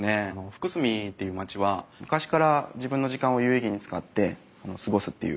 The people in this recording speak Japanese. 福住っていう町は昔から自分の時間を有意義に使って過ごすっていう文化があった町でして。